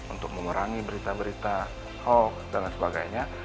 untuk mengurangi berita berita hoax dan sebagainya